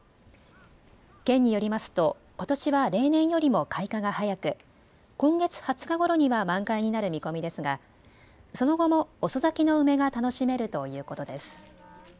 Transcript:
県によりますとことしは例年よりも開花が早く今月２０日ごろには満開になる見込みですがその後も遅咲きの梅が楽しめるということです。